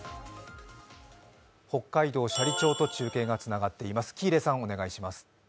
北海道斜里町と中継がつながっています。